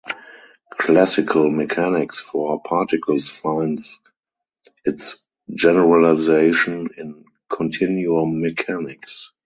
Classical mechanics for particles finds its generalization in continuum mechanics.